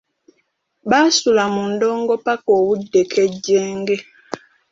Baasula mu ndongo ppaka obudde kkejenge.